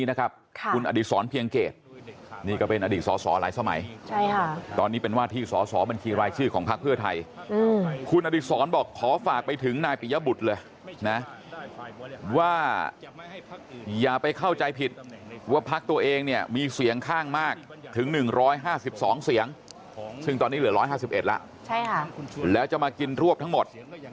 ได้๕๒เสียงซึ่งตอนนี้เหลือ๑๕๑แล้วแล้วจะมากินรวบทั้งหมด